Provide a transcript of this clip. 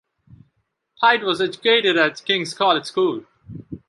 Pite was educated at Kings College School.